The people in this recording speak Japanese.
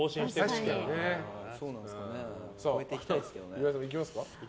さあ、岩井さんもいきますか。